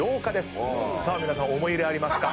さあ皆さん思い入れありますか？